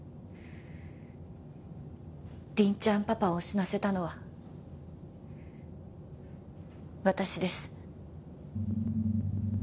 凛ちゃんパパを死なせたのは私です。